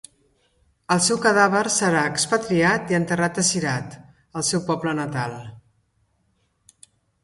El seu cadàver serà expatriat i enterrat a Cirat, el seu poble natal.